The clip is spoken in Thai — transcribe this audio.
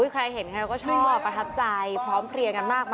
ใครเห็นใครก็ชื่นว่าประทับใจพร้อมเคลียร์กันมาก